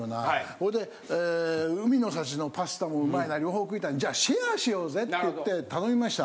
それで海の幸のパスタもうまいな両方食いたいじゃあシェアしようぜって言って頼みました。